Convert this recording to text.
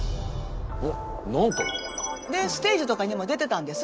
おっなんと。でステージとかにも出てたんです。